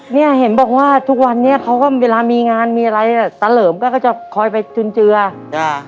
เนี่ยเห็นบอกว่าทุกวันนี้เขาก็เวลามีงานมีอะไรอ่ะตาเหลิมก็ก็จะคอยไปจุนเจือจ้ะ